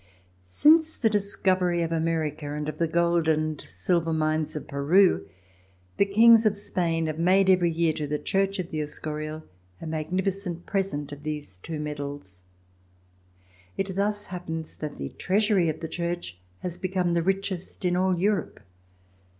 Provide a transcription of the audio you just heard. Since the discovery of America and of the gold and silver mines of Peru, the Kings of Spain have made every 3^ear, to the Church of the Escurial, a mag nificent present of these two metals. It thus happens that the Treasury of the Church has become the richest in all Europe.